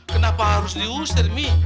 kenapa harus diusir mi